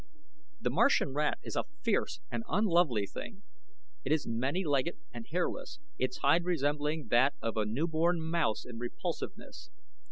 The Martian rat is a fierce and unlovely thing. It is many legged and hairless, its hide resembling that of a newborn mouse in repulsiveness.